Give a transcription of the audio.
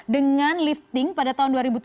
dengan lifting pada tahun dua ribu tujuh belas